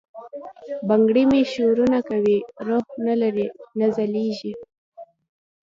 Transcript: بنګړي مي شورنه کوي، روح نه لری، نه ځلیږي